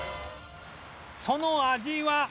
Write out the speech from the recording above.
その味は